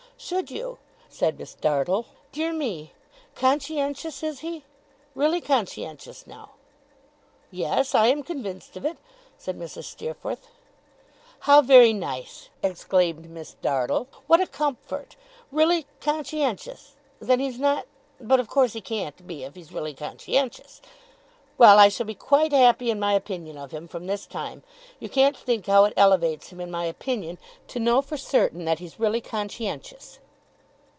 'Should you?' said Miss Dartle. 'Dear me! Conscientious, is he? Really conscientious, now?' 'Yes, I am convinced of it,' said Mrs. Steerforth. 'How very nice!' exclaimed Miss Dartle. 'What a comfort! Really conscientious? Then he's not but of course he can't be, if he's really conscientious. Well, I shall be quite happy in my opinion of him, from this time. You can't think how it elevates him in my opinion, to know for certain that he's really conscientious!